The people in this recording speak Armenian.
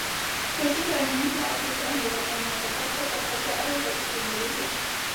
Վերջին տարիներին քաղաքից զանգվածային արտագաղթը կապված է ավերածությունների հետ։